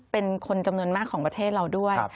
เป็นคนจำนวนมากของประเทศเราด้วย